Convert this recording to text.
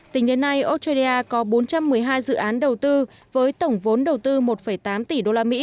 tính đến nay australia có bốn trăm một mươi hai dự án đầu tư với tổng vốn đầu tư một tám tỷ usd